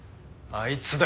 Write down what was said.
あいつだ！